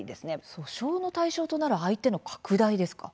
訴訟の対象となる相手の拡大ですか。